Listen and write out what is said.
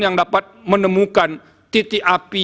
yang dapat menemukan titik api